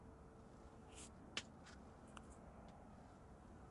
姻緣天註定